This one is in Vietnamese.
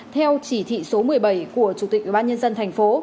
theo chỉ thị số một mươi bảy của chủ tịch ubnd tp